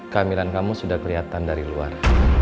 kehamilan kamu sudah kelihatan dari luar